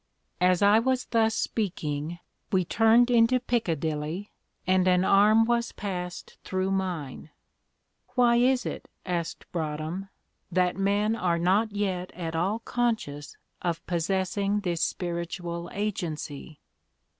'" As I was thus speaking, we turned into Piccadilly, and an arm was passed through mine. "Why is it," asked Broadhem, "that men are not yet at all conscious of possessing this spiritual agency?"